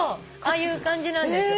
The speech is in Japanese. ああいう感じなんです。